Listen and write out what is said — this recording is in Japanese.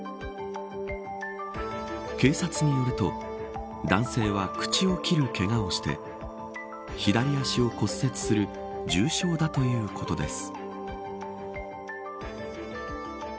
警察によると男性は口を切るけがをして左足を骨折する重傷だということです。